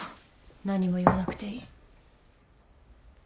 何も言わなくていい。